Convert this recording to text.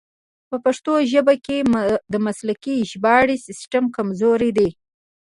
په پښتو ژبه کې د مسلکي ژباړې سیستم کمزوری دی.